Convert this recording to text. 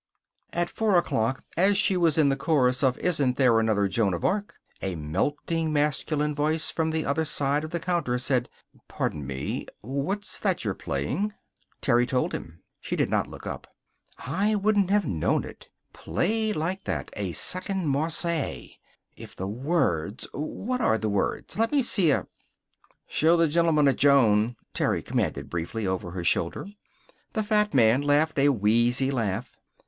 At four o'clock, as she was in the chorus of "Isn't There Another Joan of Arc?" a melting masculine voice from the other side of the counter said "Pardon me. What's that you're playing?" Terry told him. She did not look up. "I wouldn't have known it. Played like that a second 'Marseillaise.' If the words What are the words? Let me see a " "Show the gentleman a 'Joan,'" Terry commanded briefly, over her shoulder. The fat man laughed a wheezy laugh.